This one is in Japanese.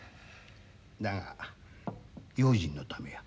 だが用心のためや。